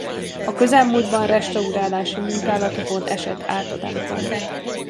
A közelmúltban restaurálási munkálatokon esett át a templom.